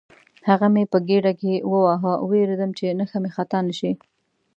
هغه مې په ګېډه کې وواهه، وېرېدم چې نښه مې خطا نه شي.